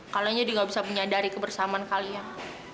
kalian jadi gak bisa menyadari kebersamaan kalian